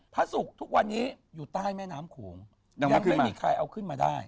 พระศุกร์ทุกวันนี้อยู่ใต้แม่น้ำโขงยังไม่มีใครเอาขึ้นมาได้